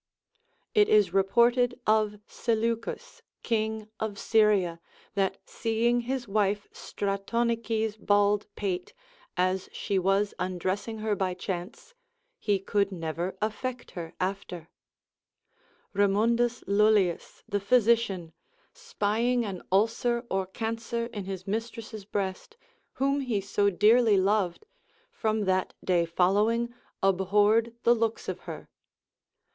It is reported of Seleucus, king of Syria, that seeing his wife Stratonice's bald pate, as she was undressing her by chance, he could never affect her after. Remundus Lullius, the physician, spying an ulcer or cancer in his mistress' breast, whom he so dearly loved, from that day following abhorred the looks of her.